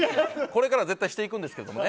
これからしていくんですけど。